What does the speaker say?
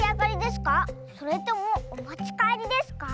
それともおもちかえりですか？